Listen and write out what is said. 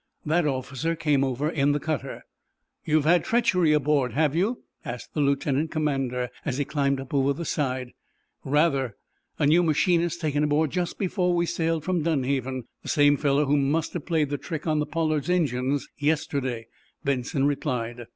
That officer came over in the cutter. "You've had treachery aboard, have you?" asked the lieutenant commander, as he climbed up over the side. "Rather. A new machinist, taken aboard just before we sailed from Dunhaven. The same fellow who must have played the trick on the 'Pollard's' engines yesterday," Benson replied.